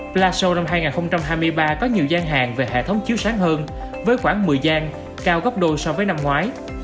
pla show năm hai nghìn hai mươi ba có nhiều gian hàng về hệ thống chiếu sáng hơn với khoảng một mươi gian cao gấp đôi so với năm ngoái